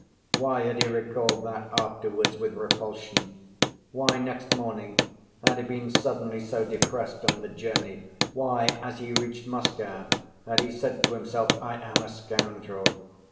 Why had he recalled that afterwards with repulsion? Why next morning, had he been suddenly so depressed on the journey? Why, as he reached Moscow, had he said to himself, "I am a scoundrel"?